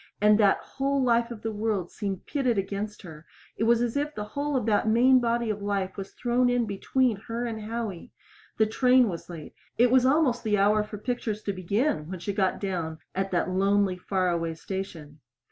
And that whole life of the world seemed pitted against her it was as if the whole of that main body of life was thrown in between her and Howie. The train was late. It was almost the hour for pictures to begin when she got down at that lonely, far away station.